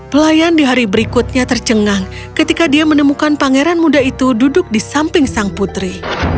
pelayan di hari berikutnya tercengang ketika dia menemukan pangeran muda itu duduk di samping sang putri